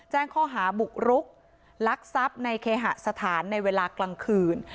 แจ้งข้อหาบุกรุกลักทรัพย์ในเคหสถานในเวลากลางคืน